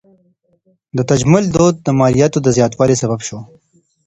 د تجمل دود د مالیاتو د زیاتوالي سبب سو.